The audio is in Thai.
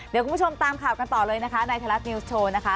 เดี๋ยวคุณผู้ชมตามข่าวกันต่อเลยนะคะในไทยรัฐนิวส์โชว์นะคะ